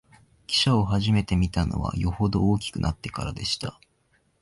汽車をはじめて見たのは、よほど大きくなってからでした